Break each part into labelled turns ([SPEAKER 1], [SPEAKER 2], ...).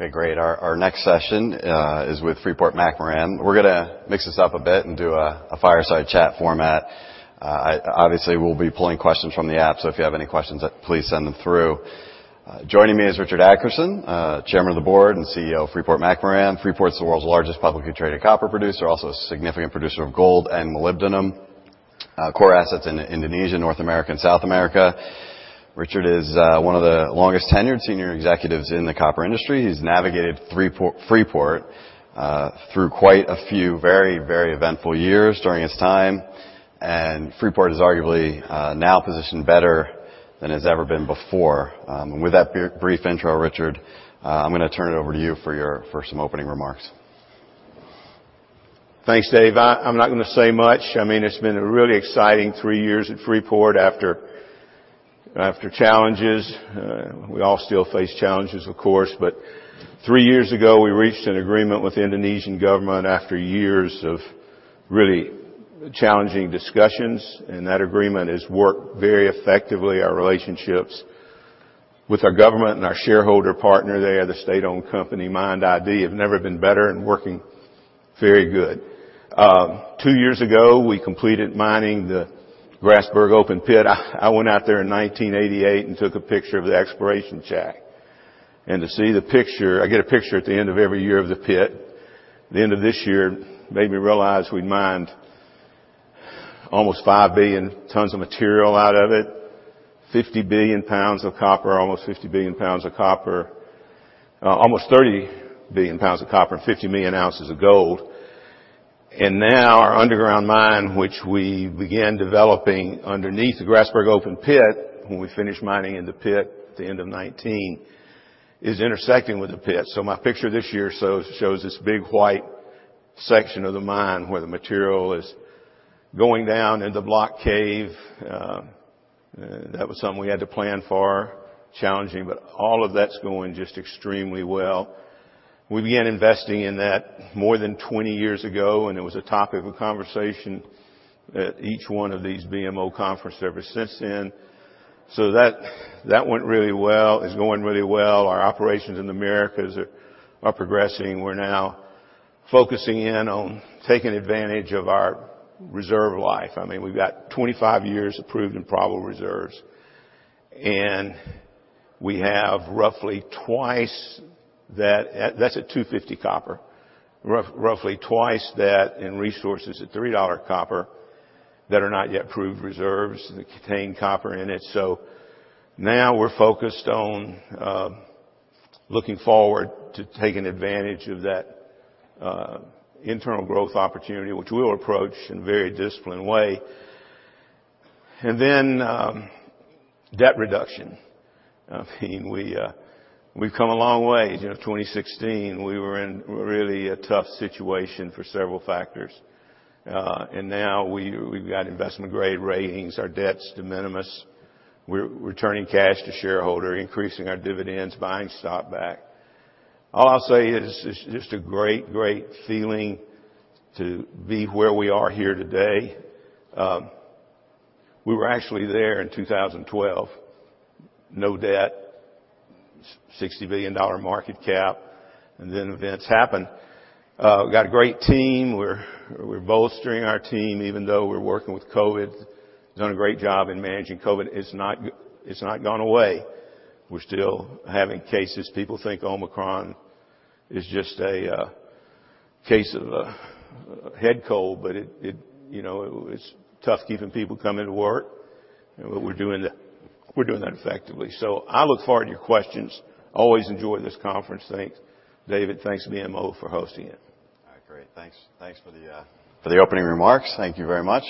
[SPEAKER 1] Okay, great. Our next session is with Freeport-McMoRan. We're gonna mix this up a bit and do a fireside chat format. Obviously, we'll be pulling questions from the app, so if you have any questions, please send them through. Joining me is Richard Adkerson, Chairman of the Board and CEO of Freeport-McMoRan. Freeport is the world's largest publicly traded copper producer, also a significant producer of gold and molybdenum. Core assets in Indonesia, North America, and South America. Richard is one of the longest-tenured senior executives in the copper industry. He's navigated Freeport through quite a few very eventful years during his time. Freeport is arguably now positioned better than it's ever been before. With that brief intro, Richard, I'm gonna turn it over to you for some opening remarks.
[SPEAKER 2] Thanks, Dave. I'm not gonna say much. I mean, it's been a really exciting three years at Freeport after challenges. We all still face challenges, of course, but three years ago, we reached an agreement with the Indonesian government after years of really challenging discussions, and that agreement has worked very effectively. Our relationships with our government and our shareholder partner, they are the state-owned company MIND ID, have never been better and working very good. Two years ago, we completed mining the Grasberg open pit. I went out there in 1988 and took a picture of the exploration shack. To see the picture. I get a picture at the end of every year of the pit. The end of this year made me realize we mined almost five billion tons of material out of it, 50 billion pounds of copper, almost 50 billion pounds of copper, almost 30 billion pounds of copper, and 50 million ounces of gold. Now our underground mine, which we began developing underneath the Grasberg open pit when we finished mining in the pit at the end of 2019, is intersecting with the pit. My picture this year shows this big white section of the mine where the material is going down into block cave. That was something we had to plan for. Challenging, but all of that's going just extremely well. We began investing in that more than 20 years ago, and it was a topic of conversation at each one of these BMO conferences ever since then. That went really well. It's going really well. Our operations in the Americas are progressing. We're now focusing in on taking advantage of our reserve life. I mean, we've got 25 years approved in probable reserves, and we have roughly twice that. That's at $2.50 copper. Roughly twice that in resources at $3 copper that are not yet proved reserves that contain copper in it. Now we're focused on looking forward to taking advantage of that internal growth opportunity, which we'll approach in a very disciplined way. Debt reduction. I mean, we've come a long way. You know, 2016, we were in a really tough situation for several factors. Now we've got investment-grade ratings. Our debt's de minimis. We're returning cash to shareholder, increasing our dividends, buying stock back. All I'll say is it's just a great feeling to be where we are here today. We were actually there in 2012. No debt, $60 billion market cap, and then events happened. We've got a great team. We're bolstering our team, even though we're working with COVID. We've done a great job in managing COVID. It's not gone away. We're still having cases. People think Omicron is just a case of head cold, but you know, it's tough keeping people coming to work, but we're doing that effectively. I look forward to your questions. I always enjoy this conference. Thanks, David. Thanks BMO for hosting it.
[SPEAKER 1] All right. Great. Thanks for the opening remarks. Thank you very much.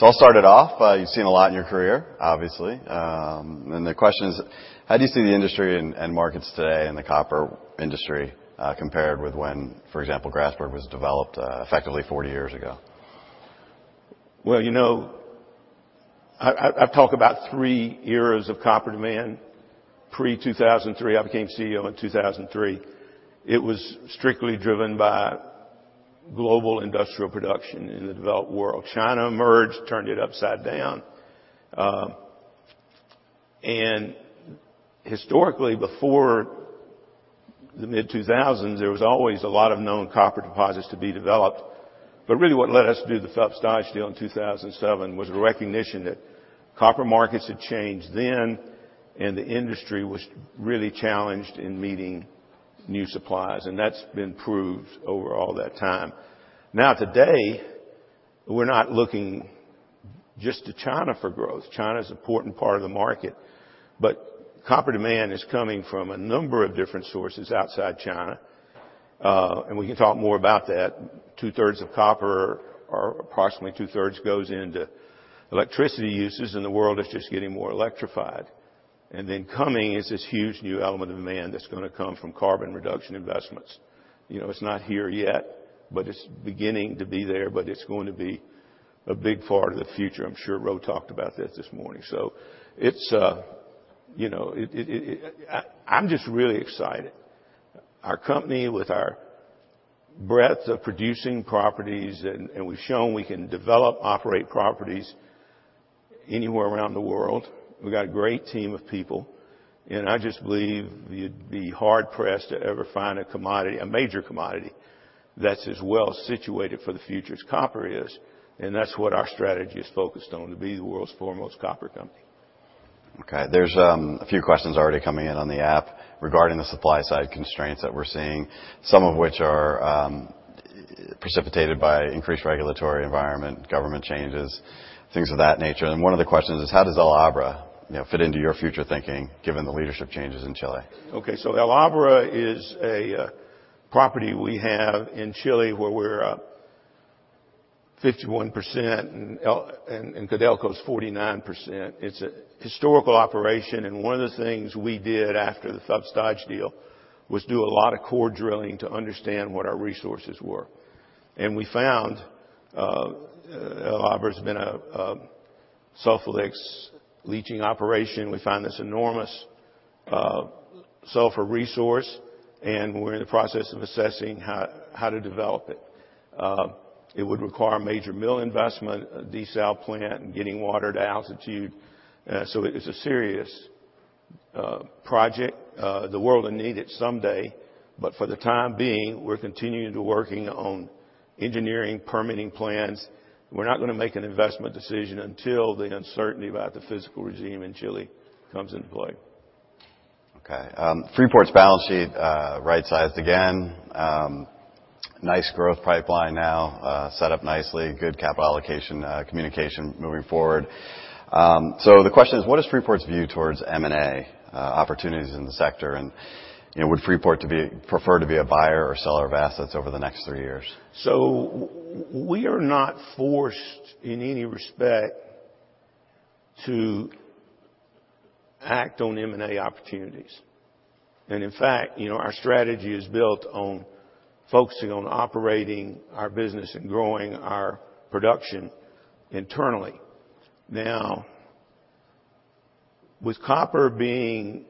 [SPEAKER 1] I'll start it off. You've seen a lot in your career, obviously. The question is, how do you see the industry and markets today in the copper industry, compared with when, for example, Grasberg was developed, effectively 40 years ago?
[SPEAKER 2] Well, you know, I've talked about three eras of copper demand. Pre-2003, I became CEO in 2003, it was strictly driven by global industrial production in the developed world. China emerged, turned it upside down. Historically, before the mid-2000s, there was always a lot of known copper deposits to be developed. But really what led us to do the Phelps Dodge deal in 2007 was a recognition that copper markets had changed then and the industry was really challenged in meeting new supplies, and that's been proved over all that time. Now, today, we're not looking just to China for growth. China is an important part of the market, but copper demand is coming from a number of different sources outside China, and we can talk more about that. Two-thirds of copper or approximately two-thirds goes into electricity uses, and the world is just getting more electrified. Coming is this huge new element of demand that's gonna come from carbon reduction investments. You know, it's not here yet, but it's beginning to be there, but it's going to be a big part of the future. I'm sure Roe talked about this this morning. It's, you know, I'm just really excited. Our company with our breadth of producing properties and we've shown we can develop, operate properties anywhere around the world. We've got a great team of people, and I just believe you'd be hard-pressed to ever find a commodity, a major commodity, that's as well-situated for the future as copper is, and that's what our strategy is focused on, to be the world's foremost copper company.
[SPEAKER 1] Okay. There's a few questions already coming in on the app regarding the supply side constraints that we're seeing, some of which are precipitated by increased regulatory environment, government changes, things of that nature. One of the questions is: how does El Abra, you know, fit into your future thinking, given the leadership changes in Chile?
[SPEAKER 2] Okay, El Abra is a property we have in Chile, where we're 51% and Codelco is 49%. It's a historical operation, and one of the things we did after the Phelps Dodge deal was do a lot of core drilling to understand what our resources were. We found El Abra has been a sulfide leaching operation. We found this enormous sulfide resource, and we're in the process of assessing how to develop it. It would require major mill investment, a desal plant, and getting water to altitude. It is a serious project. The world will need it someday, but for the time being, we're continuing to working on engineering, permitting plans. We're not gonna make an investment decision until the uncertainty about the political regime in Chile comes into play.
[SPEAKER 1] Okay. Freeport's balance sheet right-sized again. Nice growth pipeline now set up nicely, good capital allocation, communication moving forward. The question is, what is Freeport's view towards M&A opportunities in the sector? You know, would Freeport prefer to be a buyer or seller of assets over the next three years?
[SPEAKER 2] We are not forced in any respect to act on M&A opportunities. In fact, you know, our strategy is built on focusing on operating our business and growing our production internally. Now, with copper being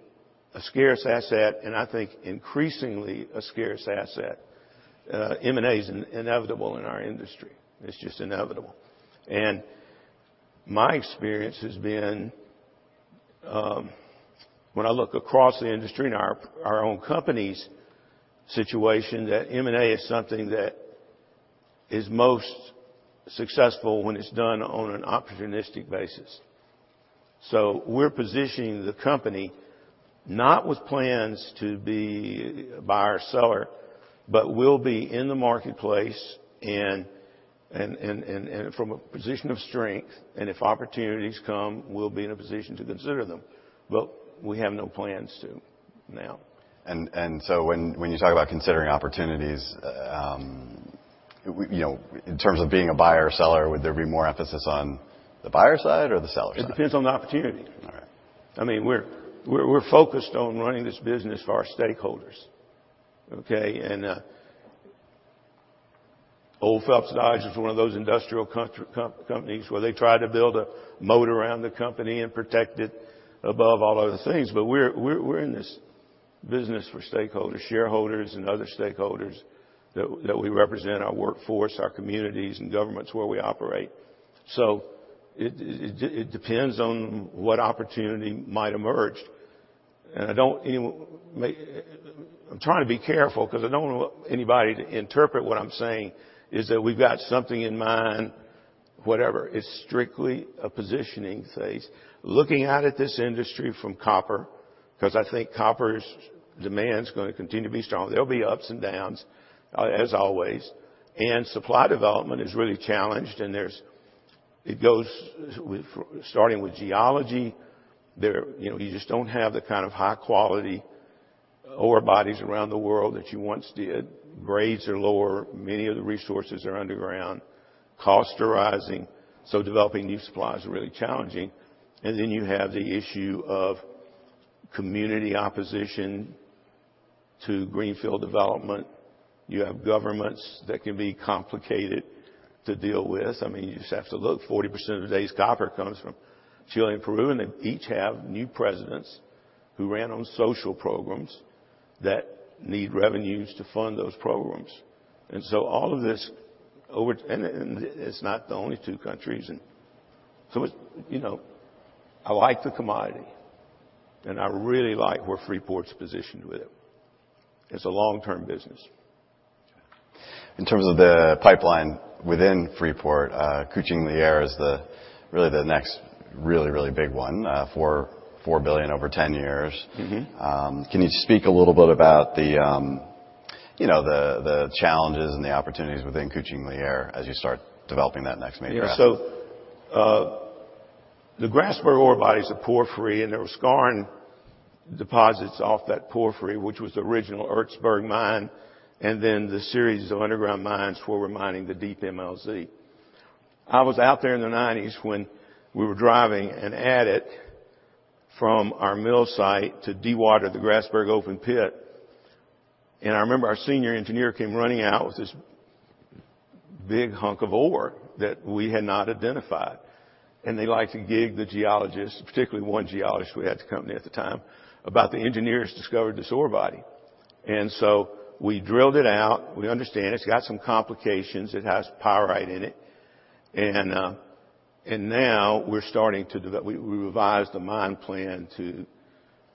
[SPEAKER 2] a scarce asset, and I think increasingly a scarce asset, M&A is inevitable in our industry. It's just inevitable. My experience has been, when I look across the industry and our own company's situation, that M&A is something that is most successful when it's done on an opportunistic basis. We're positioning the company not with plans to be a buyer or seller, but we'll be in the marketplace and from a position of strength, and if opportunities come, we'll be in a position to consider them. We have no plans to now.
[SPEAKER 1] When you talk about considering opportunities, you know, in terms of being a buyer or seller, would there be more emphasis on the buyer side or the seller side?
[SPEAKER 2] It depends on the opportunity.
[SPEAKER 1] All right.
[SPEAKER 2] I mean, we're focused on running this business for our stakeholders, okay? Old Phelps Dodge is one of those industrial companies where they try to build a moat around the company and protect it above all other things. We're in this business for stakeholders, shareholders and other stakeholders that we represent, our workforce, our communities and governments where we operate. It depends on what opportunity might emerge. I'm trying to be careful because I don't want anybody to interpret what I'm saying is that we've got something in mind, whatever. It's strictly a positioning phase. Looking out at this industry from copper, 'cause I think copper's demand is gonna continue to be strong. There'll be ups and downs, as always, and supply development is really challenged, and it goes with, starting with geology. You know, you just don't have the kind of high-quality ore bodies around the world that you once did. Grades are lower, many of the resources are underground. Costs are rising. Developing new supplies are really challenging. Then you have the issue of community opposition to greenfield development. You have governments that can be complicated to deal with. I mean, you just have to look, 40% of today's copper comes from Chile and Peru, and they each have new presidents who ran on social programs that need revenues to fund those programs. All of this, and it's not the only two countries. You know, I like the commodity, and I really like where Freeport's positioned with it. It's a long-term business.
[SPEAKER 1] In terms of the pipeline within Freeport, Kucing Liar is really the next big one, $4 billion over 10 years.
[SPEAKER 2] Mm-hmm.
[SPEAKER 1] Can you speak a little bit about the, you know, challenges and the opportunities within Kucing Liar as you start developing that next major asset?
[SPEAKER 2] The Grasberg ore bodies are porphyry, and there were skarn deposits off that porphyry, which was the original Ertsberg mine, and then the series of underground mines, where we're mining the Deep MLZ. I was out there in the 1990s when we were driving an adit from our mill site to dewater the Grasberg open pit. I remember our senior engineer came running out with a big hunk of ore that we had not identified. They like to gig the geologists, particularly one geologist we had at the company at the time, about how the engineers discovered this ore body. We drilled it out. We understand it's got some complications. It has pyrite in it. We revised the mine plan to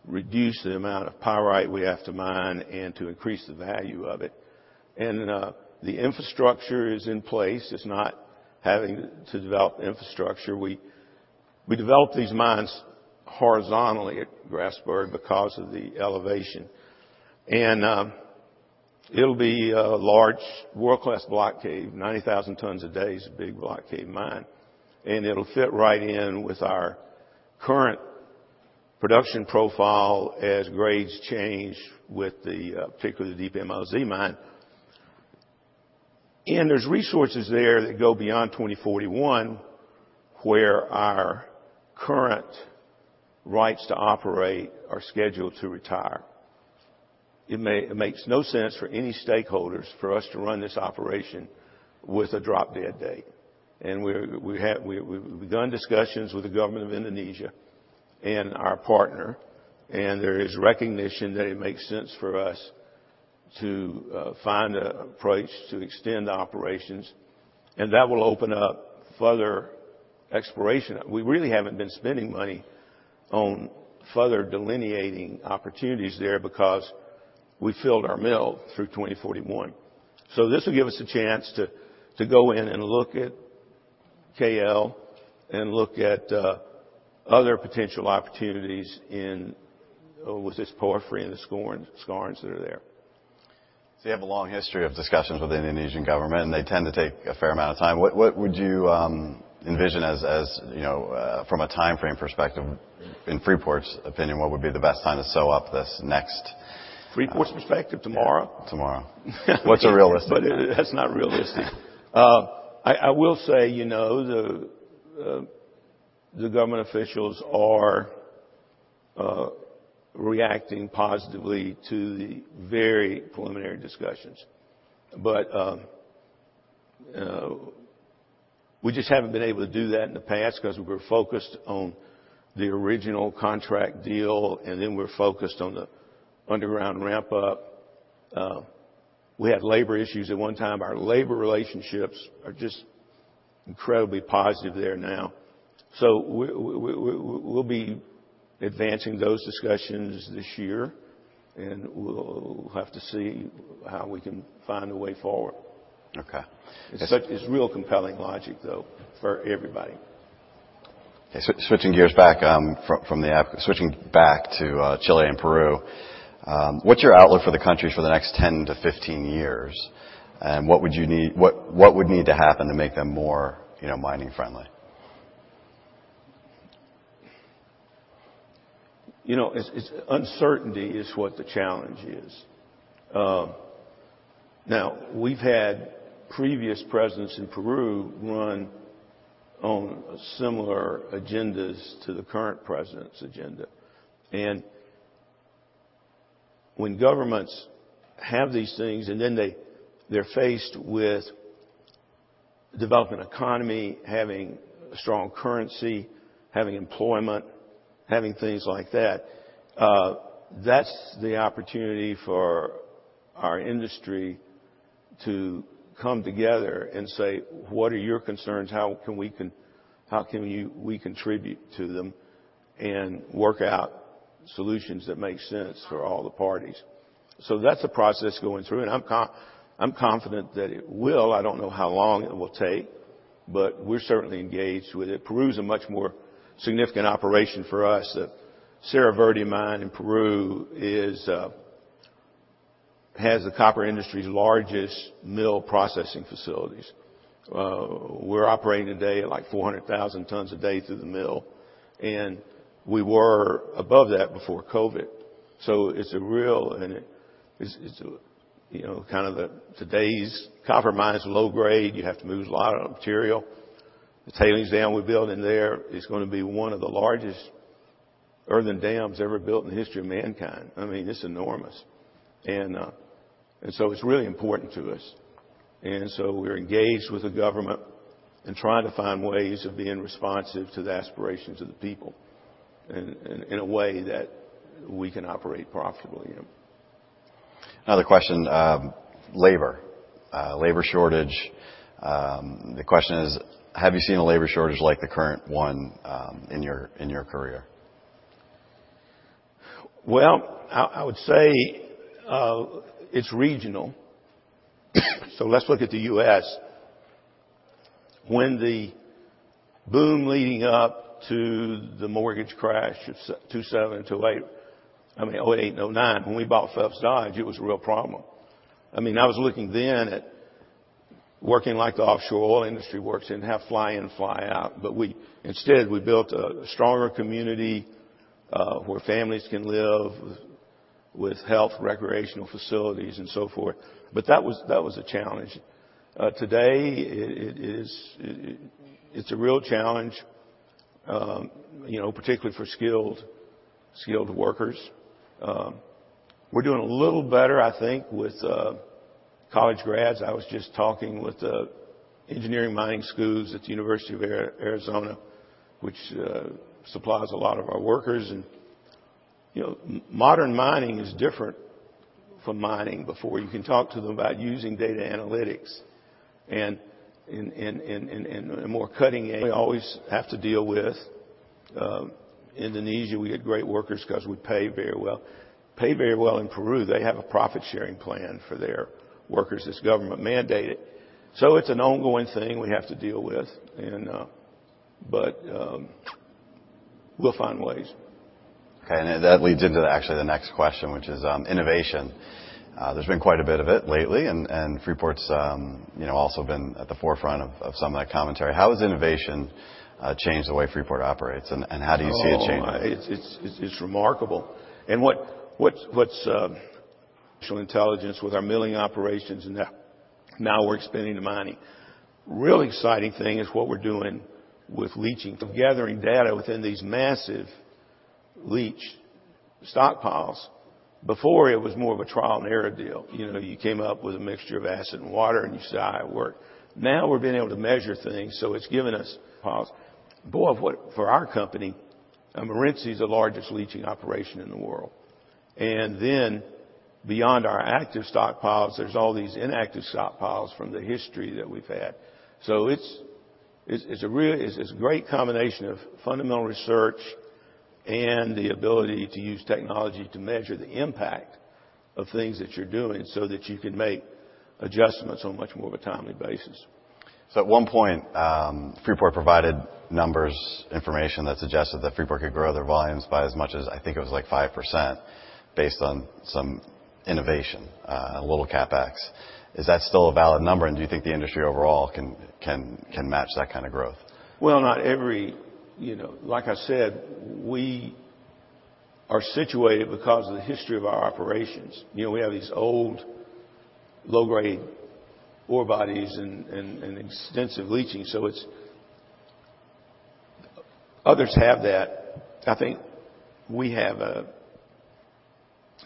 [SPEAKER 2] reduce the amount of pyrite we have to mine and to increase the value of it. The infrastructure is in place. It's not having to develop infrastructure. We developed these mines horizontally at Grasberg because of the elevation. It'll be a large world-class block cave. 90,000 tons a day is a big block cave mine. It'll fit right in with our current production profile as grades change, particularly with the Deep MLZ mine. There's resources there that go beyond 2041, where our current rights to operate are scheduled to retire. It makes no sense for any stakeholders for us to run this operation with a drop-dead date. We've begun discussions with the government of Indonesia and our partner, and there is recognition that it makes sense for us to find an approach to extend the operations, and that will open up further exploration. We really haven't been spending money on further delineating opportunities there because we filled our mill through 2041. This will give us a chance to go in and look at KL and look at other potential opportunities in with this porphyry and the skarns that are there.
[SPEAKER 1] You have a long history of discussions with the Indonesian government, and they tend to take a fair amount of time. What would you envision as you know from a timeframe perspective, in Freeport's opinion, what would be the best time to sew up this next,
[SPEAKER 2] Freeport's perspective? Tomorrow.
[SPEAKER 1] Tomorrow. What's a realistic time?
[SPEAKER 2] That's not realistic. I will say, you know, the government officials are reacting positively to the very preliminary discussions. We just haven't been able to do that in the past because we were focused on the original contract deal, and then we're focused on the underground ramp up. We had labor issues at one time. Our labor relationships are just incredibly positive there now. We'll be advancing those discussions this year, and we'll have to see how we can find a way forward.
[SPEAKER 1] Okay.
[SPEAKER 2] It's real compelling logic, though, for everybody.
[SPEAKER 1] Okay. Switching back to Chile and Peru, what's your outlook for the countries for the next 10-15 years? And what would need to happen to make them more, you know, mining friendly?
[SPEAKER 2] You know, uncertainty is what the challenge is. Now we've had previous presidents in Peru run on similar agendas to the current president's agenda. When governments have these things, and then they're faced with developing economy, having strong currency, having employment, having things like that's the opportunity for our industry to come together and say, "What are your concerns? How can we contribute to them and work out solutions that make sense for all the parties?" That's a process going through, and I'm confident that it will. I don't know how long it will take, but we're certainly engaged with it. Peru is a much more significant operation for us. The Cerro Verde mine in Peru is, has the copper industry's largest mill processing facilities. We're operating today at like 400,000 tons a day through the mill, and we were above that before COVID. It's real, and it's, you know, kind of today's copper mine is low grade. You have to move a lot of material. The tailings dam we're building there is gonna be one of the largest earthen dams ever built in the history of mankind. I mean, it's enormous. It's really important to us. We're engaged with the government and trying to find ways of being responsive to the aspirations of the people in a way that we can operate profitably.
[SPEAKER 1] Another question, labor. Labor shortage. The question is, have you seen a labor shortage like the current one, in your career?
[SPEAKER 2] Well, I would say it's regional. Let's look at the U.S. When the boom leading up to the mortgage crash of 2007 to 2008, I mean, 2008 and 2009, when we bought Phelps Dodge, it was a real problem. I mean, I was looking then at working like the offshore oil industry works and have fly in, fly out. Instead, we built a stronger community where families can live with health, recreational facilities, and so forth. That was a challenge. Today it's a real challenge, you know, particularly for skilled workers. We're doing a little better, I think, with college grads. I was just talking with the engineering mining schools at the University of Arizona, which supplies a lot of our workers. You know, modern mining is different from mining before. You can talk to them about using data analytics and more cutting edge. We always have to deal with Indonesia, we had great workers 'cause we pay very well. Pay very well in Peru, they have a profit-sharing plan for their workers that's government-mandated. It's an ongoing thing we have to deal with. We'll find ways.
[SPEAKER 1] Okay. That leads into actually the next question, which is innovation. There's been quite a bit of it lately, and Freeport's you know, also been at the forefront of some of that commentary. How has innovation changed the way Freeport operates, and how do you see it changing?
[SPEAKER 2] Oh, it's remarkable. What's artificial intelligence with our milling operations, and now we're expanding the mining. The real exciting thing is what we're doing with leaching, from gathering data within these massive leach stockpiles. Before, it was more of a trial-and-error deal. You know, you came up with a mixture of acid and water, and you say, "It worked." Now we're being able to measure things, so it's given us pause. For our company, Morenci is the largest leaching operation in the world. Then beyond our active stockpiles, there's all these inactive stockpiles from the history that we've had. It's this great combination of fundamental research and the ability to use technology to measure the impact of things that you're doing so that you can make adjustments on much more of a timely basis.
[SPEAKER 1] At one point, Freeport provided numbers, information that suggested that Freeport could grow their volumes by as much as, I think it was like 5% based on some innovation, a little CapEx. Is that still a valid number, and do you think the industry overall can match that kind of growth?
[SPEAKER 2] You know, like I said, we are situated because of the history of our operations. You know, we have these old low-grade ore bodies and extensive leaching, so it's... others have that. I think we have a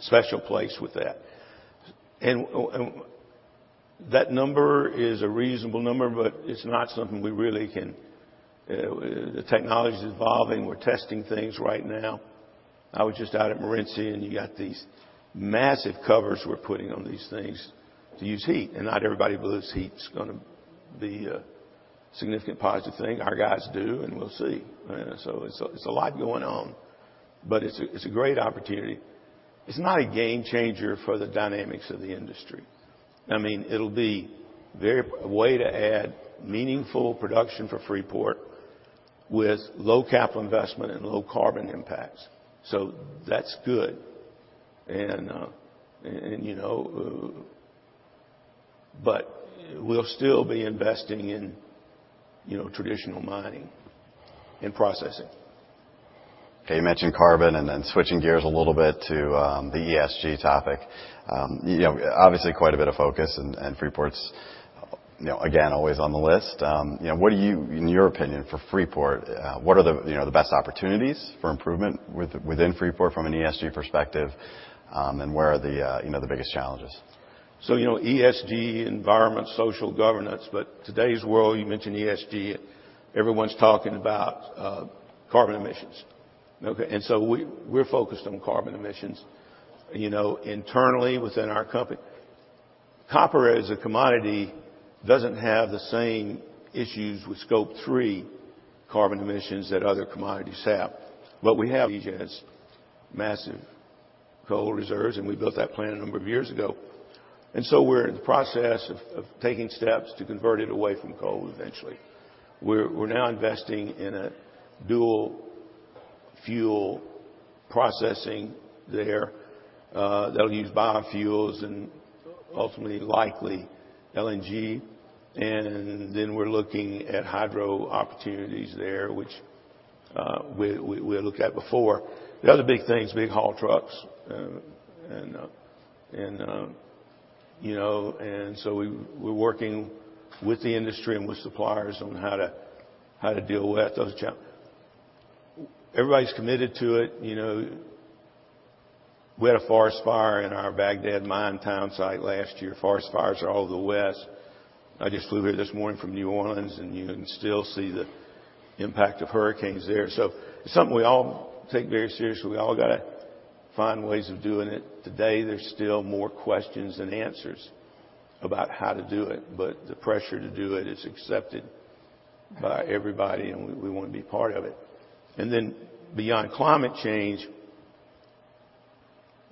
[SPEAKER 2] special place with that. That number is a reasonable number, but it's not something we really can. The technology's evolving. We're testing things right now. I was just out at Morenci, and you got these massive covers we're putting on these things to use heat, and not everybody believes heat's gonna be a significant positive thing. Our guys do, and we'll see. It's a lot going on, but it's a great opportunity. It's not a game changer for the dynamics of the industry. I mean, it'll be a way to add meaningful production for Freeport with low capital investment and low carbon impacts, so that's good. We'll still be investing in, you know, traditional mining and processing.
[SPEAKER 1] Okay, you mentioned carbon and then switching gears a little bit to the ESG topic. You know, obviously quite a bit of focus and Freeport's, you know, again, always on the list. You know, what do you, in your opinion, for Freeport, what are the, you know, the best opportunities for improvement within Freeport from an ESG perspective, and where are the, you know, the biggest challenges?
[SPEAKER 2] You know, ESG, environment, social, governance, but today's world, you mentioned ESG, everyone's talking about carbon emissions. Okay. We're focused on carbon emissions. You know, internally within our company, copper as a commodity doesn't have the same issues with Scope 3 carbon emissions that other commodities have. But we have massive coal reserves, and we built that plant a number of years ago. We're in the process of taking steps to convert it away from coal eventually. We're now investing in a dual fuel processing there that'll use biofuels and ultimately likely LNG. We're looking at hydro opportunities there, which we had looked at before. The other big thing is big haul trucks. You know, and so we're working with the industry and with suppliers on how to deal with those. Everybody's committed to it. You know, we had a forest fire in our Bagdad Mine town site last year. Forest fires are all over the West. I just flew here this morning from New Orleans, and you can still see the impact of hurricanes there. It's something we all take very seriously. We all got to find ways of doing it. Today, there's still more questions than answers about how to do it, but the pressure to do it is accepted by everybody, and we wanna be part of it. Beyond climate change,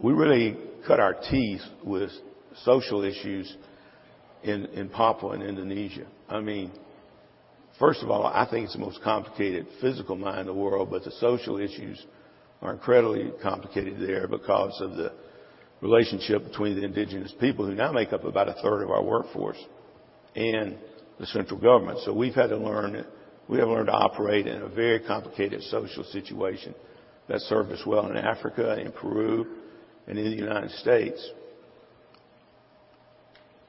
[SPEAKER 2] we really cut our teeth with social issues in Papua, in Indonesia. I mean, first of all, I think it's the most complicated physical mine in the world, but the social issues are incredibly complicated there because of the relationship between the indigenous people, who now make up about 1/3 of our workforce, and the central government. We've had to learn, we have learned to operate in a very complicated social situation that served us well in Africa, in Peru, and in the United States.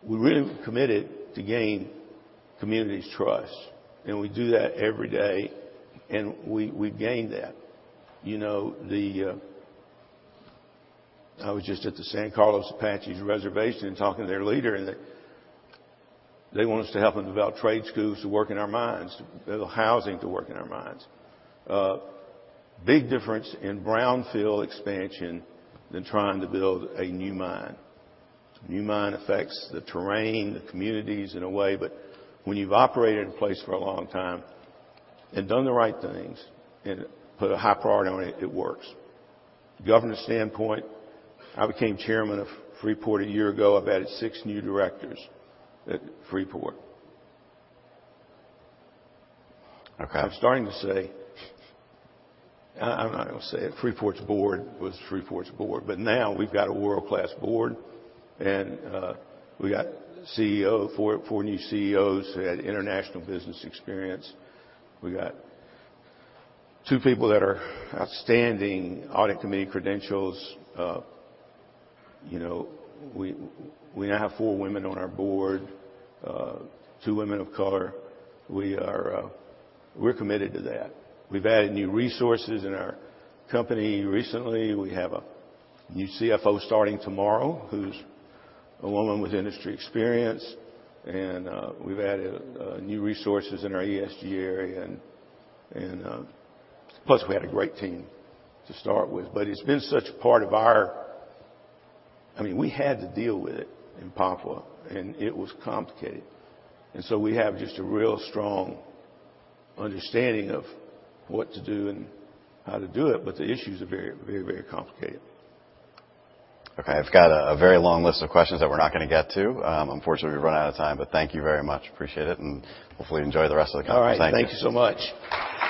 [SPEAKER 2] We're really committed to gain community's trust, and we do that every day, and we've gained that. You know, the, I was just at the San Carlos Apache's reservation talking to their leader, and they want us to help them develop trade schools to work in our mines, to build housing to work in our mines. Big difference in brownfield expansion than trying to build a new mine. New mine affects the terrain, the communities in a way, but when you've operated in place for a long time and done the right things and put a high priority on it works. From a governance standpoint, I became Chairman of Freeport-McMoRan a year ago. I've added six new directors at Freeport-McMoRan.
[SPEAKER 1] Okay.
[SPEAKER 2] Freeport's board was Freeport's board, but now we've got a world-class board and we got four new CEOs who had international business experience. We got two people who have outstanding audit committee credentials. You know, we now have four women on our board, two women of color. We're committed to that. We've added new resources in our company recently. We have a new CFO starting tomorrow, who's a woman with industry experience, and we've added new resources in our ESG area. Plus, we had a great team to start with. It's been such a part of our. I mean, we had to deal with it in Papua, and it was complicated. We have just a real strong understanding of what to do and how to do it, but the issues are very, very, very complicated.
[SPEAKER 1] Okay. I've got a very long list of questions that we're not gonna get to. Unfortunately, we've run out of time, but thank you very much. Appreciate it, and hopefully you enjoy the rest of the conference. Thank you.
[SPEAKER 2] All right. Thank you so much.